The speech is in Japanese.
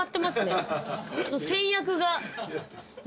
先約が。